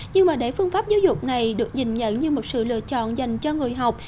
nhưng mà để phương pháp giáo dục này được nhìn nhận như một sự lựa chọn dành cho người học